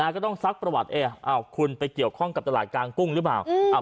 ก็ต้องซักประวัติคุณไปเกี่ยวข้องกับตลาดกลางกุ้งหรือเปล่า